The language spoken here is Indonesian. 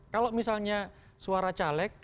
kalau misalnya suara caleg